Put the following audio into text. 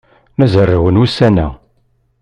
La zerrwen ussan-a.